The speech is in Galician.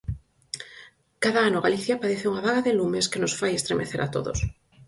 Cada ano Galicia padece unha vaga de lumes que nos fai estremecer a todos.